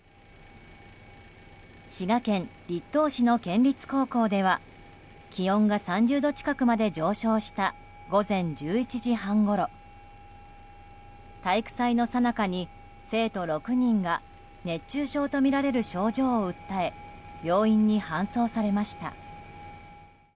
滋賀県栗東市の県立高校では気温が３０度近くまで上昇した午前１１時半ごろ体育祭のさなかに生徒６人が熱中症とみられる症状を訴え病院に搬送されました。